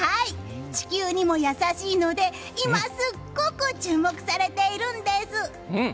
地球にも優しいので今すごく注目されているんです！